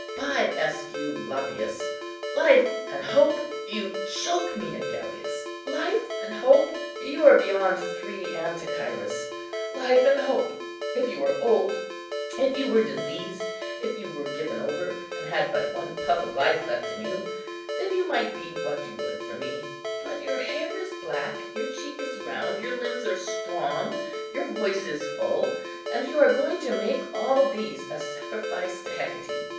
By Esculapius! life and hope! you choke me, Agellius. Life and hope! you are beyond three Anticyras. Life and hope! if you were old, if you were diseased, if you were given over, and had but one puff of life left in you, then you might be what you would, for me; but your hair is black, your cheek is round, your limbs are strong, your voice is full; and you are going to make all these a sacrifice to Hecate!